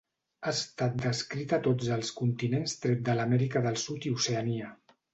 Ha estat descrita a tots els continents tret de l'Amèrica del Sud i Oceania.